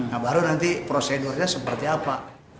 nah baru nanti prosedurnya seperti apa